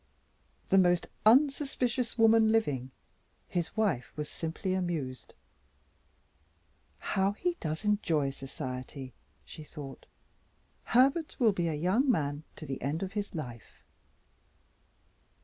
The most unsuspicious woman living, his wife was simply amused "How he does enjoy society!" she thought. "Herbert will be a young man to the end of his life."